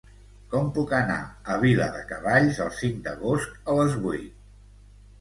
Com puc anar a Viladecavalls el cinc d'agost a les vuit?